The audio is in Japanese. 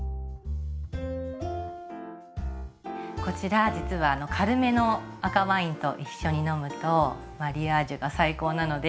こちら実は軽めの赤ワインと一緒に飲むとマリアージュが最高なので。